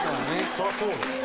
「そりゃそうだよ」